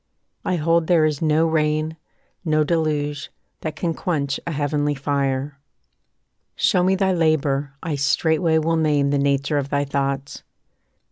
I hold there is no rain, No deluge, that can quench a heavenly fire. Show me thy labour, I straightway will name The nature of thy thoughts.